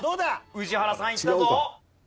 宇治原さんいったぞ。